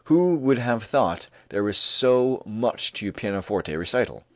Who would have thought there was so much to a pianoforte recital?